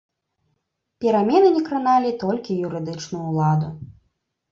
Перамены не краналі толькі юрыдычную ўладу.